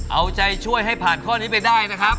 เอาใจช่วยให้ผ่านข้อนี้ไปได้นะครับ